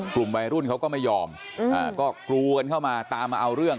กลุ่มวัยรุ่นเขาก็ไม่ยอมก็กรูกันเข้ามาตามมาเอาเรื่อง